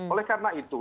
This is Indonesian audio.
oleh karena itu